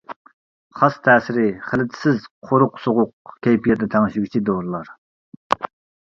خاس تەسىرى خىلىتسىز قۇرۇق سوغۇق كەيپىياتنى تەڭشىگۈچى دورىلار.